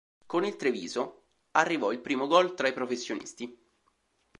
Con il Treviso arrivò il primo gol tra i professionisti.